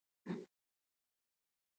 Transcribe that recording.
د اسلام په تاریخ کې د اوحد جګړه نامتو ده.